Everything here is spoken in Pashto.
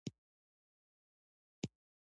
افغانستان د وادي په اړه علمي څېړنې لري.